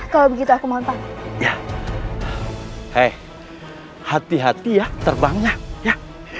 kalau begitu aku mau hai hati hati ya terbangnya ya